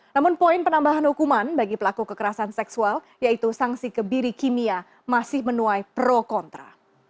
namun poin penambahan hukuman bagi pelaku kekerasan seksual yaitu sanksi kebiri kimia masih menuai pro kontra